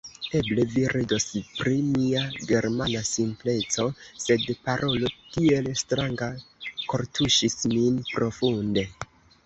Eble vi ridos pri mia Germana simpleco; sed parolo tiel stranga kortuŝis min profunde.